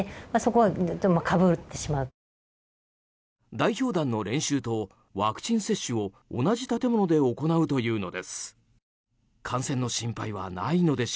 代表団の練習とワクチン接種を同じ建物で行うというのです。